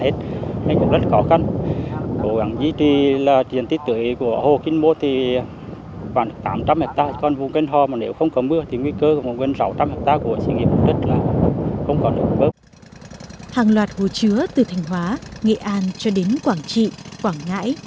hàng loạt hồ chứa từ thanh hóa nghệ an cho đến quảng trị quảng ngãi